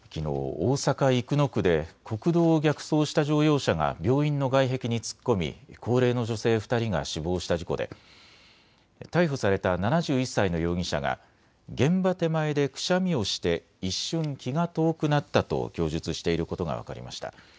大阪生野区で国道を逆走した乗用車が病院の外壁に突っ込み高齢の女性２人が死亡した事故で逮捕された７１歳の容疑者が現場手前でくしゃみをして一瞬、気が遠くなったと供述していることが分かりました。